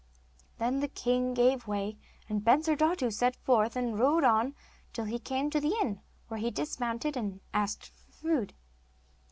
Then the king gave way, and Bensurdatu set forth, and rode on till he came to the inn, where he dismounted and asked for food.